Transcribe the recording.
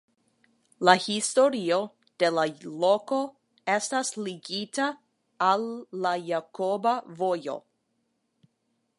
La historio de la loko estas ligita al la Jakoba Vojo.